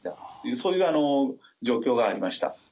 そういう状況がありました。